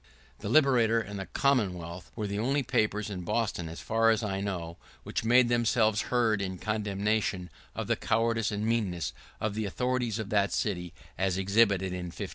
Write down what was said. [¶26] The Liberator and the Commonwealth were the only papers in Boston, as far as I know, which made themselves heard in condemnation of the cowardice and meanness of the authorities of that city, as exhibited in '51.